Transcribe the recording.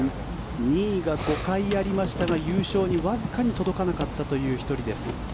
２位が５回ありましたが優勝にわずかに届かなかったという１人です。